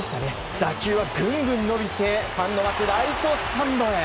打球はぐんぐん伸びてファンの待つライトスタンドへ。